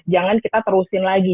jangan kita terusin lagi